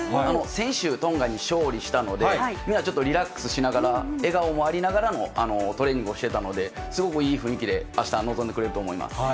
先週、トンガに勝利したので、みんなちょっとリラックスしながら、笑顔もありながらのトレーニングをしてたので、すごくいい雰囲気で、あしたは臨んでくれると楽しみですね。